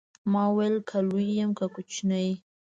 ما وويل که لوى يم که کوچنى.